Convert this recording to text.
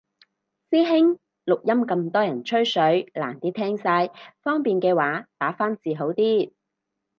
師兄，錄音咁多人吹水難啲聽晒，方便嘅話打返字好啲